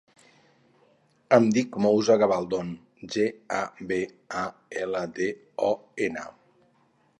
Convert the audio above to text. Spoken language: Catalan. Em dic Moussa Gabaldon: ge, a, be, a, ela, de, o, ena.